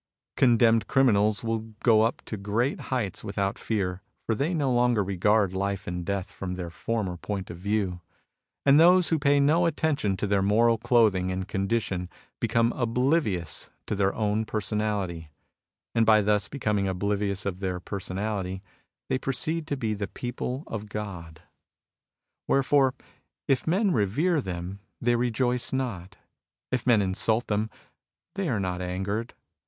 Con demned criminals will go up to great heights without fear, for they no longer regard life and death from their former point of view. And those who pay no attention to their moral clothing and condition become oblivious of their own personality ; and by thus becoming oblivious of their personality, they proceed to be the people of God. Wherefore, if men revere them, they rejoice not. If men insult them, they are not angered.